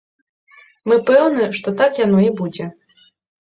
Мы пэўны, што так яно і будзе.